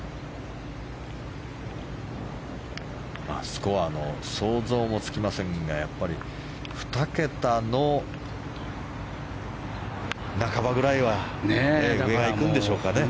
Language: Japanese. スコアの想像もつきませんがやっぱり、２桁の半ばくらいは上が行くんでしょうかね。